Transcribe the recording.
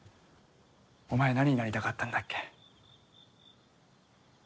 お前何になりたかったんだっけ？